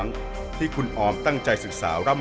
เหมือนเล็บแบบงองเหมือนเล็บตลอดเวลา